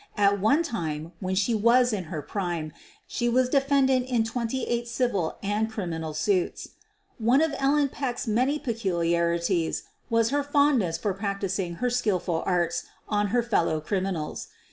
At one time, when she was in her prime, she was defendant in twenty eight civil and criminal suits. One of Ellen Peck's many peculiarities was her fondness for practicing her skilful arts on her fel low criminals.